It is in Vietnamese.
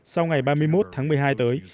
sau ngày ba mươi một tháng một mươi hai tới